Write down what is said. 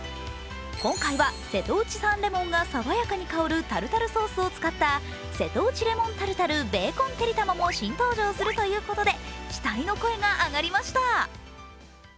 今回は、瀬戸内産レモンがさわやかに香るタルタルソースを使った瀬戸内レモンタルタルベーコンてりたまも新登場するということで期待の声が上がりました。